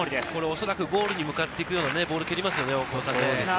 おそらくゴールに向かっていくようなボールを蹴りますよね。